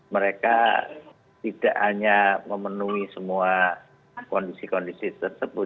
mereka tidak hanya memenuhi semua kondisi kondisi tersebut